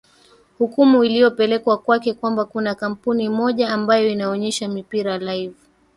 hukumu iliyopelekwa kwake kwamba kuna kampuni moja ambayo inaonyesha mipira live